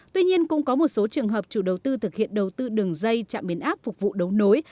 tuy nhiên cũng có một số trường hợp chủ đầu tư thực hiện đầu tư đường dây trạm biến áp phục vụ đấu nối